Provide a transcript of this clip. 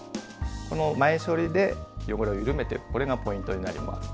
この前処理で汚れを緩めておくこれがポイントになります。